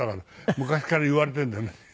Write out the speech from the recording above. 昔から言われてるんだよね。